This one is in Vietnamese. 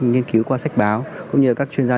nghiên cứu qua sách báo cũng như các chuyên gia